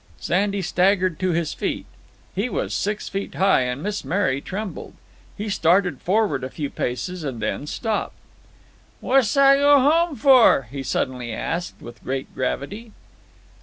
Sandy staggered to his feet. He was six feet high, and Miss Mary trembled. He started forward a few paces and then stopped. "Wass I go home for?" he suddenly asked, with great gravity.